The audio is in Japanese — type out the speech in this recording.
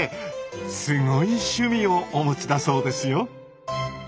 すごい趣味をお持ちだそうですよ！